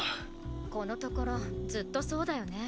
このところずっとそうだよねぇ。